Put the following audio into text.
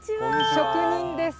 職人です。